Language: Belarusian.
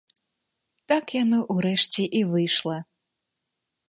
Так яно ўрэшце і выйшла.